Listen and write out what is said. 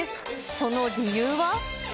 その理由は。